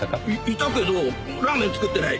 いたけどラーメン作ってない。